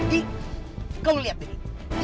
di kamu lihat dulu